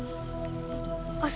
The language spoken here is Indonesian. gak ada itu manusia buaya ini